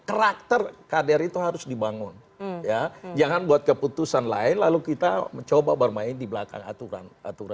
karakter kader itu harus dibangun ya jangan buat keputusan lain lalu kita mencoba bermain di belakang aturan aturan